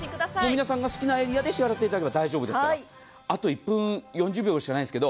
皆さんが好きなエリアで支払っていただければよろしいですから。